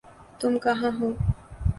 تم کہاں ہو؟